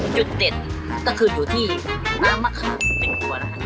จุดเด็ดก็คืออยู่ที่น้ำมะขามจริงกว่าระครับ